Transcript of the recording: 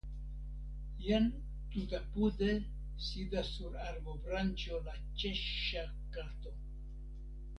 Jen, tutapude, sidas sur arbobranĉo la Ĉeŝŝa kato.